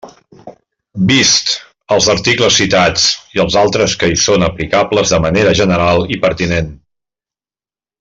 Vists els articles citats i els altres que hi són aplicables de manera general i pertinent.